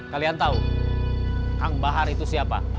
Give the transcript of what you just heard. kalian tahu kang bahar itu siapa